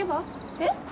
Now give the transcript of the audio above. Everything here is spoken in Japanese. えっ？